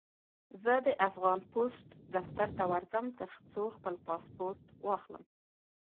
زه د افغان پوسټ دفتر ته ورځم، ترڅو خپل پاسپورټ واخلم.